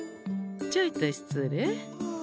ちょいと失礼。